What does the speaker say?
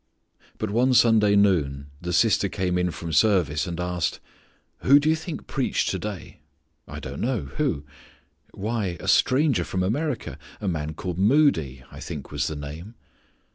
But one Sunday noon the sister came in from service and asked, "Who do you think preached to day?" "I don't know, who?" "Why, a stranger from America, a man called Moody, I think was the name."